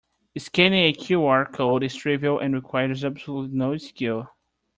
Scanning a QR code is trivial and requires absolutely no skill.